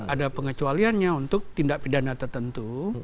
ada pengecualiannya untuk tindak pidana tertentu